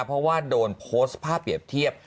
เพราะว่าโดนโพสต์ภาพเปรียบเทียบ